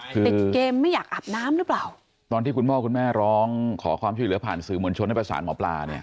ติดเกมไม่อยากอาบน้ำหรือเปล่าตอนที่คุณพ่อคุณแม่ร้องขอความช่วยเหลือผ่านสื่อมวลชนให้ประสานหมอปลาเนี่ย